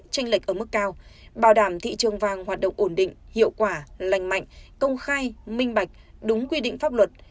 tranh lệch ở mức cao bảo đảm thị trường vàng hoạt động ổn định hiệu quả lành mạnh công khai minh bạch đúng quy định pháp luật